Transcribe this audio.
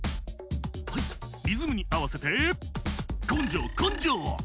「リズムにあわせてこんじょうこんじょう！」